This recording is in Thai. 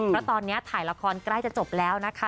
เพราะตอนนี้ถ่ายละครใกล้จะจบแล้วนะคะ